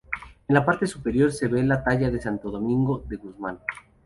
En la parte superior se ve la talla de Santo Domingo de Guzmán.